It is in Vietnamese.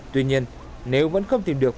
tuy nhiên nếu vẫn không tìm được